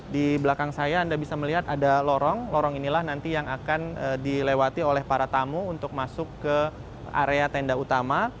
di belakang saya anda bisa melihat ada lorong lorong inilah nanti yang akan dilewati oleh para tamu untuk masuk ke area tenda utama